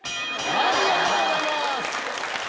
ありがとうございます。